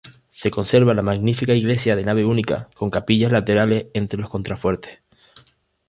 Se conserva la magnífica iglesia de nave única con capillas laterales entre los contrafuertes.